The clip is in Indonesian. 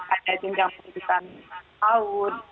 ada jenjang pendidikan laut